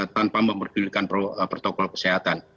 tanpa memerlukan protokol kesehatan